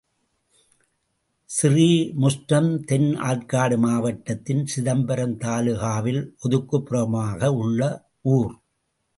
ஸ்ரீமுஷ்ணம் தென் ஆர்க்காடு மாவட்டத்தின், சிதம்பரம் தாலுகாவில் ஒதுக்குப் புறமாக உள்ள ஊர்.